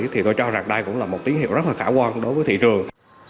thì tôi cho rằng đây cũng là một tín hiệu rất là khả quan đối với thị trường